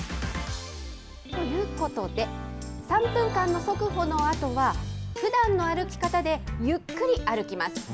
ということで、３分間の速歩のあとは、ふだんの歩き方でゆっくり歩きます。